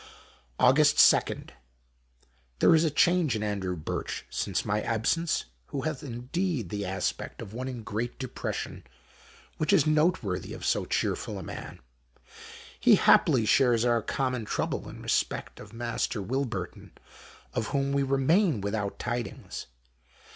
Aug. 2. — There is a change in Andrew Birch since my absence, who hath indeed the aspect of one in great depression, which is noteworthy of so chearful a man. He haply shares our common trouble in respect of Master Wilburton, of whom we remain without tidings.